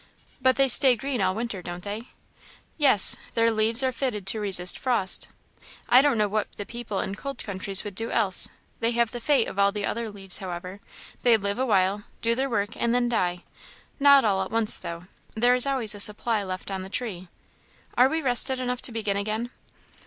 "But they stay green all winter, don't they?" "Yes; their leaves are fitted to resist frost; I don't know what the people in cold countries would do else. They have the fate of all other leaves, however; they live awhile, do their work, and then die; not all at once, though; there is always a supply left on the tree. Are we rested enough to begin again?"